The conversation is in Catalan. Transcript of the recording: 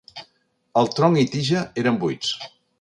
El tronc i tija eren buits.